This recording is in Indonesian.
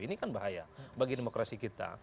ini kan bahaya bagi demokrasi kita